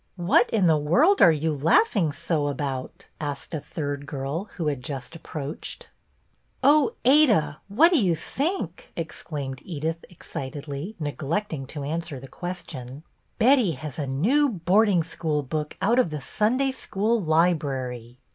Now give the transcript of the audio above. " What in the world are you laughing so about.'*" asked a third girl who had just approached. " Oh, Ada, what do you think! " exclaimed Edith, excitedly, neglecting to answer the question. " Betty has a new boarding school book out of the Sunday School library